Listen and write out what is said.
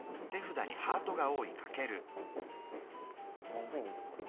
マズいんだよこれ。